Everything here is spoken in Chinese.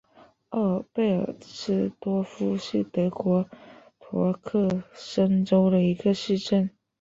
奥尔贝尔斯多夫是德国萨克森州的一个市镇。